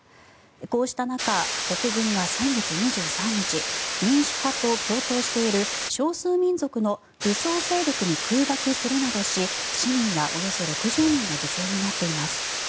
こうした中、国軍は先月２３日民主派と共闘している少数民族の武装勢力に空爆するなどし市民らおよそ６０人が犠牲になっています。